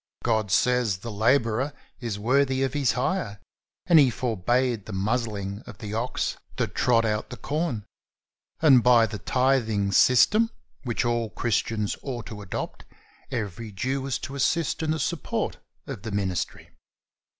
God says: 'The laborer is worthy of his hire;" and He forbade the muzzling of the ox that 106 THE soul winner's SECRET. trod out the corn ; and by the tithing system, which all Christians ought to adopt, every Jew was to assist in the support of the ministry.